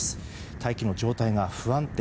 大気の状態が不安定。